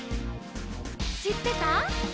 「しってた？」